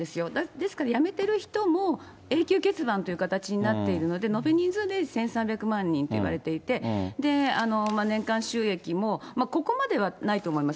ですから、やめてる人も永久欠番って形になっているので、延べ人数で１３００万人っていわれていて、年間収益もここまではないと思います。